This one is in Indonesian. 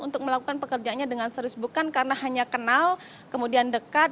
untuk melakukan pekerjaannya dengan serius bukan karena hanya kenal kemudian dekat